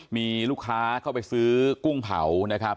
มีลูกค้าเข้าไปซื้อกุ้งเผานะครับ